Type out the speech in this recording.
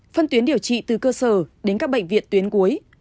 phân tuyến điều trị từ cơ sở đến các bệnh viện tuyến cuối